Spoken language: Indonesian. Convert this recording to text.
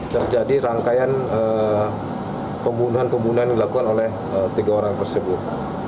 terjadi rangkaian pembunuhan pembunuhan yang dilakukan oleh tiga orang tersebut